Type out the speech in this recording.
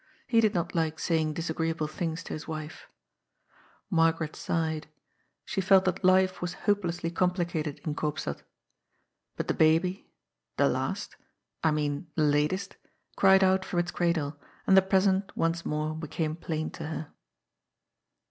He did not like saying disagreeable things to his wife. Margaret sighed. She felt that life was hopelessly com plicated in Koopstad. But the baby — the last, — I mean the latest — cried out from its cradle, and the present once more became plain to her.